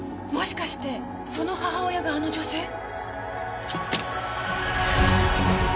もしかしてその母親があの女性？